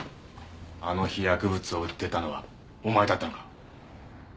あの日薬物を売ってたのはお前だったのか？